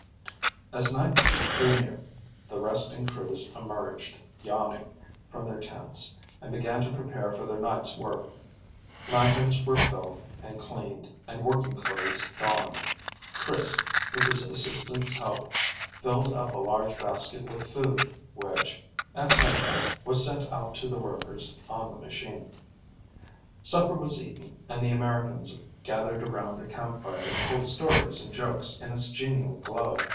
As night drew near, the resting crews emerged, yawning, from their tents, and began to prepare for their night's work. Lanterns were filled and cleaned and working clothes donned. Chris, with his assistant's help, filled up a large basket with food, which, at sundown, was sent out to the workers on the machine. Supper was eaten, and all the Americans gathered around the campfire and told stories and jokes in its genial glow.